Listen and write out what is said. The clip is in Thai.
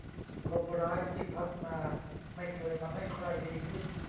ลมร้ายที่พัดมาไม่เคยทำให้ใครดีขึ้น